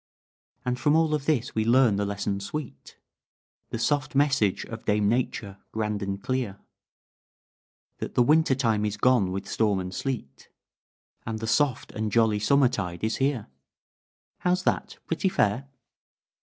"And from all of this we learn the lesson sweet, The soft message of Dame Nature, grand and clear, That the winter time is gone with storm and sleet, And the soft and jolly summer tide is here. How's that? Pretty fair?"